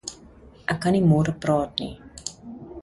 Ek kannie môre praat nie